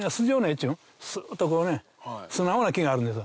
っちゅうのすっとこうね素直な木があるんです。